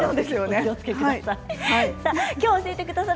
気をつけてください。